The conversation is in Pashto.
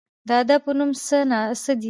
د ادب په نوم څه نه دي